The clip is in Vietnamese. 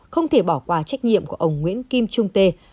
không thể bỏ qua trách nhiệm của ông nguyễn kim trung tê